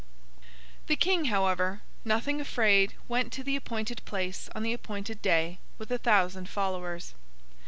The King, however, nothing afraid, went to the appointed place on the appointed day with a thousand followers.